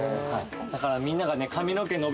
だからみんながね。